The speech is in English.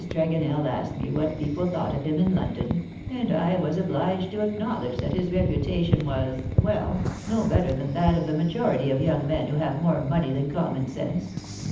Tre gonell asked me what people thought of him in London, and I was obliged to acknowledge that his reputation was — well — no better than that of the majority of young men who have more money than common sense.